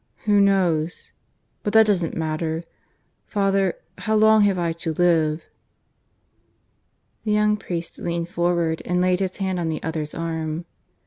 Who knows ? But that doesn't matter. ... Father, how long have I to live?" The young priest leaned forward and laid his hand on the other's arm.